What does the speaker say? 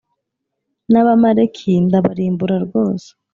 n Abamaleki ndabarimbura rwose